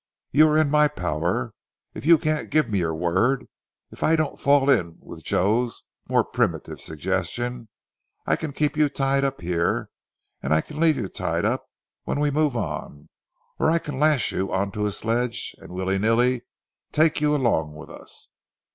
You are in my power. If you can't give me your word, if I don't fall in with Joe's more primitive suggestion, I can keep you tied up here, and I can leave you tied up when we move on; or I can lash you on to a sledge, and, willy nilly, take you along with us.